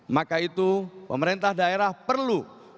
maka itu pemerintah daerah perlu